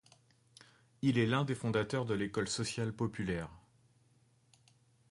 Il est l'un des fondateurs de l'École sociale populaire.